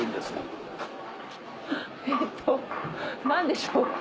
何でしょう？